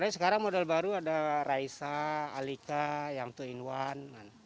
sekarang model baru ada raisa alika yang dua in satu